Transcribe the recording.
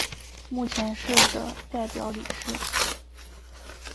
目前是的代表理事。